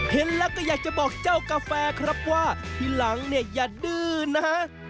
เห็นแล้วก็อยากจะบอกเจ้ากาแฟครับว่าทีหลังเนี่ยอย่าดื้อนะ